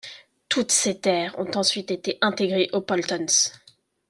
Toutes ces terres ont ensuite été intégrées au Paultons.